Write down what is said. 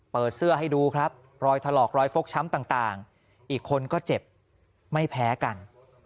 เปิดเสื้อให้ดูครับรอยถลอกรอยฟกช้ำต่างอีกคนก็เจ็บไม่แพ้กัน